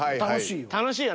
楽しいよ。